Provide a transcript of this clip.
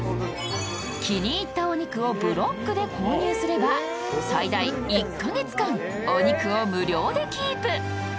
気に入ったお肉をブロックで購入すれば最大１カ月間お肉を無料でキープ。